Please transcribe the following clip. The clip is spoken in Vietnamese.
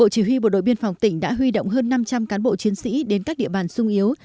chỉ huy bộ đội biên phòng tỉnh đã huy động hơn năm trăm linh cán bộ chiến sĩ đến các địa bàn sung yếu